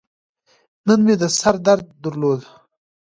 نن مې د سر درد درلود.